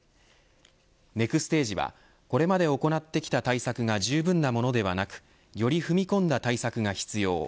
ネクステージはこれまで行ってきた対策がじゅうぶんなものではなくより踏み込んだ対策が必要。